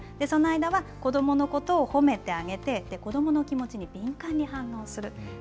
その間は子どものことを褒めてあげて、子どもの気持ちに敏感に反応する。